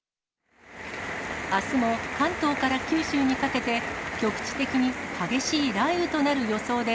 あすも関東から九州にかけて、局地的に激しい雷雨となる予想で、